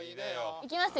いきますよ